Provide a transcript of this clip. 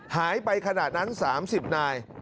หายไปขนาดนั้น๓๐นาย